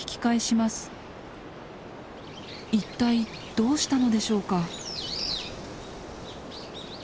一体どうしたのでしょうか？